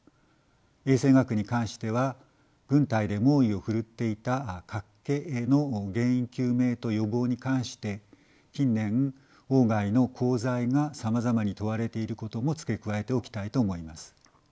衛生学に関しては軍隊で猛威を奮っていた脚気の原因究明と予防に関して近年外の功罪がさまざまに問われていることも付け加えておきたいと思います。